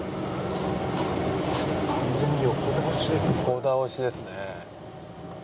完全に横倒しですね。